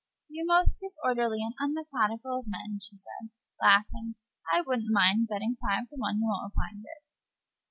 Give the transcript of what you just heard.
"You most disorderly and unmethodic of men," she said, laughing, "I would n't mind betting you won't find it."